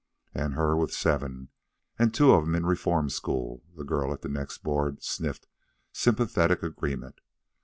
"An' her with seven, an' two of 'em in reform school," the girl at the next board sniffed sympathetic agreement.